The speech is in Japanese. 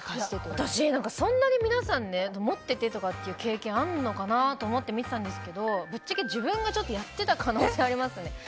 私、そんなに皆さん持っててとかいう経験があるのかなと思って見ていたんですがぶっちゃけ自分がやっていた可能性がありますね。